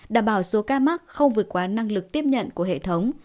đảm bảo số ca mắc không vượt quá năng lực tiếp nhận của hệ thống